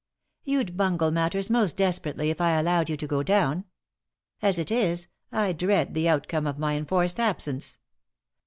"You'd bungle matters most desperately if I allowed you to go down. As it is, I dread the outcome of my enforced absence.